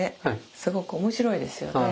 すごく面白いですよね。